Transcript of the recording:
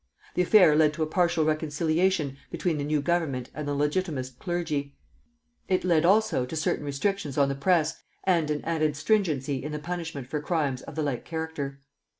The affair led to a partial reconciliation between the new Government and the Legitimist clergy; it led also to certain restrictions on the Press and an added stringency in the punishment for crimes of the like character.